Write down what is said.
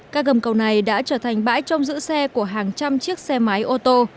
các gầm cầu này đã trở thành bãi trông giữ xe của hàng trăm chiếc xe máy ô tô